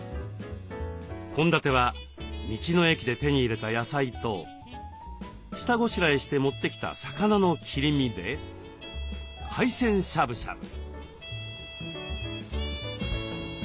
献立は道の駅で手に入れた野菜と下ごしらえして持ってきた魚の切り身で海鮮しゃぶしゃぶ。